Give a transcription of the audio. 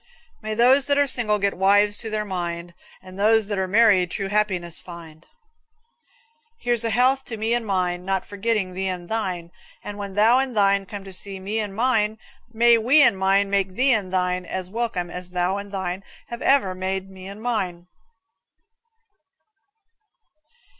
May those that are single get wives to their mind, And those that are married true happiness find. Here's a health to me and mine, Not forgetting thee and thine; And when thou and thine Come to see me and mine, May we and mine make thee and thine As welcome as thou and thine Have ever made me and mine.